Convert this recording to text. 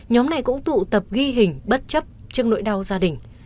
nhóm này cũng tụ tập ghi hình bất chấp trước nỗi đau gia đình